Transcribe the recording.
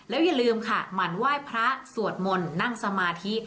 แล้วอย่าลืมค่ะมันไหว้พระสวดมลนั่งสมาธิ